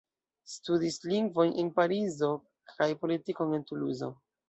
Studis lingvojn en Parizo kaj politikon en Tuluzo.